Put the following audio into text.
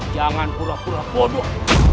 jangan pura pura bodoh